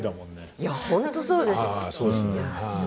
いや本当そうですよ。